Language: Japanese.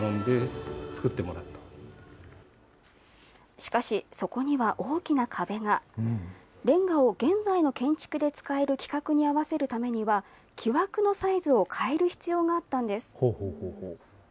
しかし、そこには大きな壁が。れんがを現在の建築で使える規格に合わせるためには、木枠のサイズを変える必要があったんです。